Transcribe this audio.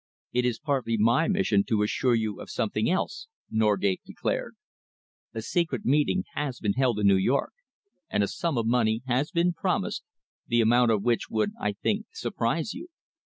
"It is partly my mission to assure you of something else," Norgate declared. "A secret meeting has been held in New York, and a sum of money has been promised, the amount of which would, I think, surprise you.